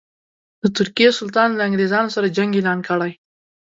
د ترکیې سلطان له انګرېزانو سره جنګ اعلان کړی.